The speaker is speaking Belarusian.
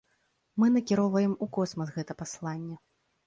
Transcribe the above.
Мы накіроўваем у космас гэта пасланне.